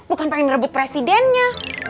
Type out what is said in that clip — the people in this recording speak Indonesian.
bukan pengen ngerebut presidennya